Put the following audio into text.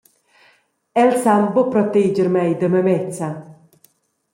Els san buca proteger mei da memezza.